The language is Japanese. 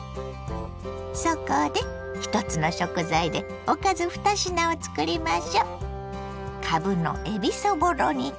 そこで１つの食材でおかず２品をつくりましょ。